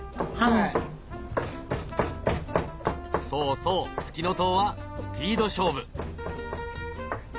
そうそうフキノトウはスピード勝負。